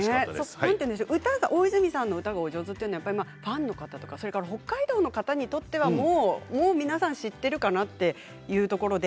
大泉さんの歌がお上手というのはファンの方と北海道の方にとってはもう皆さん知っているかなっていうところで。